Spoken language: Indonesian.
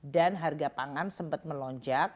dan harga pangan sempat melonjak